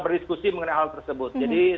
berdiskusi mengenai hal tersebut jadi